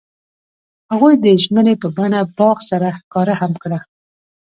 هغوی د ژمنې په بڼه باغ سره ښکاره هم کړه.